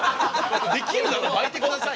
できるなら巻いてください？